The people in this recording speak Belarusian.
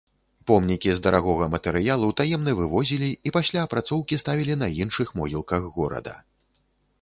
Помнікі з дарагога матэрыялу таемна вывозілі і пасля апрацоўкі ставілі на іншых могілках горада.